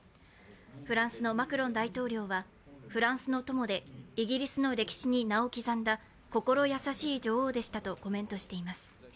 フランスのマクロン大統領は、フランスの友でイギリスの歴史に名を刻んだ心優しい女王でしたとコメントしています。